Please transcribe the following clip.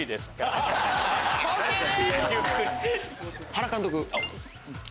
原監督。